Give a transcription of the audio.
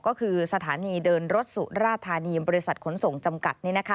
ก็คือสถานีเดินรถสุราธานีบริษัทขนส่งจำกัด